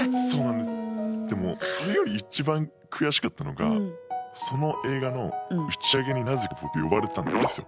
でもそれより一番悔しかったのがその映画の打ち上げになぜか僕呼ばれたんですよ。